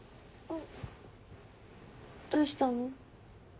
どうしたの？